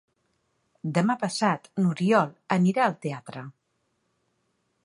Demà passat n'Oriol anirà al teatre.